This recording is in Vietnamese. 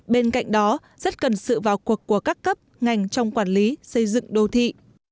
bên cạnh đó rất cần sự vào cuộc của các cấp ngành trong quản lý xây dựng đô thị